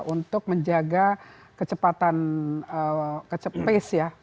untuk menjaga kecepatan pace ya